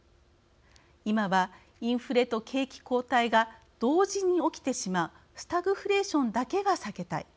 今はインフレと景気後退が同時に起きてしまうスタグフレーションだけは避けたい。